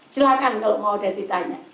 silahkan kalau mau dia ditanya